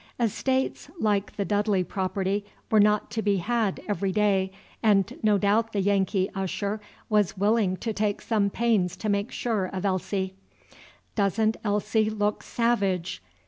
Estates like the Dudley property were not to be had every day, and no doubt the Yankee usher was willing to take some pains to make sure of Elsie. Does n't Elsie look savage?